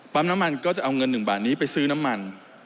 น้ำมันก็จะเอาเงิน๑บาทนี้ไปซื้อน้ำมัน